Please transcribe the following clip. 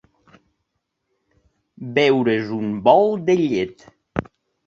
Beure's un bol de llet.